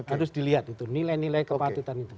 harus dilihat itu nilai nilai kepatutan itu